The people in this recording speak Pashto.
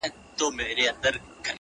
هره ورځ لکه لېندۍ پر ملا کږېږم!